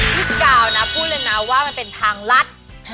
พี่กาวนะพูดเลยนะว่ามันเป็นทางลัด